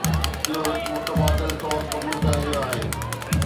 اهو هڪ متبادل طور قبول ڪيو ويو آهي.